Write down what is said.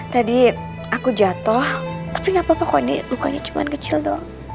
tadi aku jatoh tapi gapapa kok ini lukanya cuman kecil doang